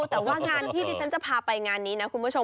แต่ว่างานที่ดิฉันจะพาไปงานนี้นะคุณผู้ชม